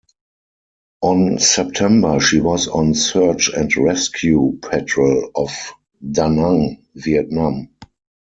On September she was on search and rescue patrol off Da Nang, Vietnam.